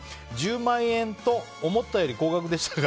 １０万円と思ったより高額でしたが。